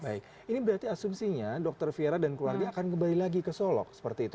baik ini berarti asumsinya dokter fiera dan keluarga akan kembali lagi ke solok seperti itu